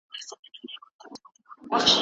دیني لارښوونې د زړه صیقل دي.